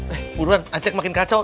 eh buruan acek makin kacau